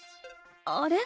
あれ？